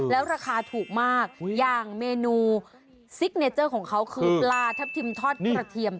แล้วราคาถูกมากอย่างเมนูซิกเนเจอร์ของเขาคือปลาทับทิมทอดกระเทียม